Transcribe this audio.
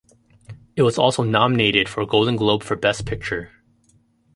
It was also nominated for a Golden Globe for Best Picture.